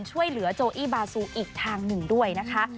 ช่วยเหลือโจอี้บาซูอีกทางหนึ่งด้วยนะคะ